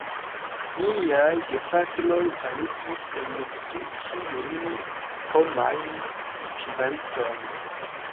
Miaj gepatroj arigis en si ĉiujn homajn kvalitojn.